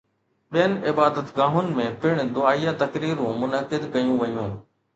ٻين عبادتگاهن ۾ پڻ دعائيه تقريبون منعقد ڪيون ويون